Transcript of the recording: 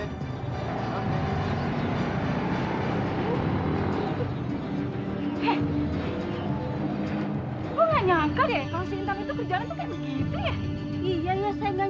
hai hehehe hai gue nggak nyangka deh kalau singkat itu kerjaan begitu ya iya saya nggak